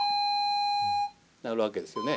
鳴るわけですよね。